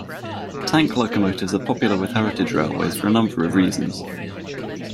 Tank locomotives are popular with heritage railways for a number of reasons.